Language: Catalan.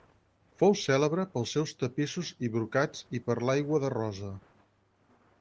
Fou cèlebre pels seus tapissos i brocats i per l'aigua de rosa.